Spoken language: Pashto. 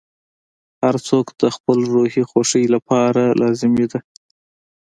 • هر څوک د خپل روحي خوښۍ لپاره لازمه ده.